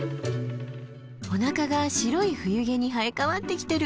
おなかが白い冬毛に生え変わってきてる。